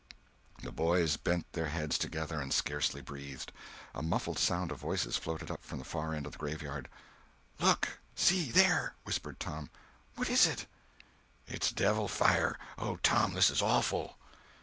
The boys bent their heads together and scarcely breathed. A muffled sound of voices floated up from the far end of the graveyard. "Look! See there!" whispered Tom. "What is it?" "It's devil fire. Oh, Tom, this is awful."